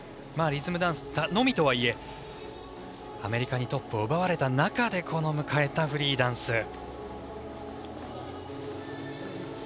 リズムダンスのみとはいえアメリカにトップを奪われた中でこの迎えたフリーダンス。